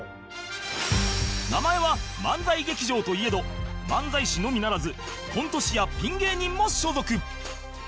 名前は「漫才劇場」といえど漫才師のみならずコント師やピン芸人も所属